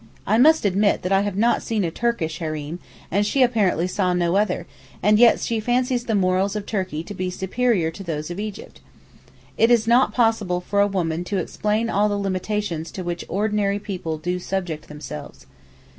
I must admit that I have not seen a Turkish hareem, and she apparently saw no other, and yet she fancies the morals of Turkey to be superior to those of Egypt. It is not possible for a woman to explain all the limitations to which ordinary people do subject themselves.